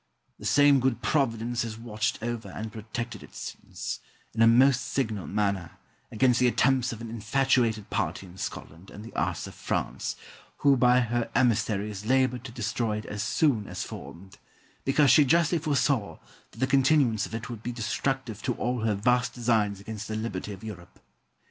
The same good Providence has watched over and protected it since, in a most signal manner, against the attempts of an infatuated party in Scotland and the arts of France, who by her emissaries laboured to destroy it as soon as formed; because she justly foresaw that the continuance of it would be destructive to all her vast designs against the liberty of Europe.